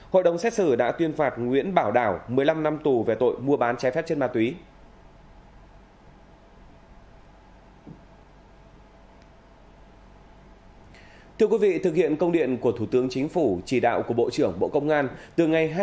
hội đồng xét xử đã tuyên phạt nguyễn bảo đảo một mươi năm năm tù về tội mua bán trái phép chất ma túy